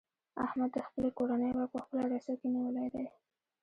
احمد د خپلې کورنۍ واک په خپله رسۍ کې نیولی دی.